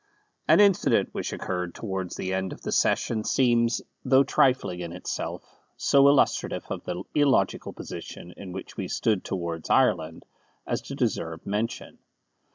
An incident which occurred towards the end of the session seems, though trifling in itself, so illustrative of the illogical position in which we stood towards Ireland, as to deserve mention.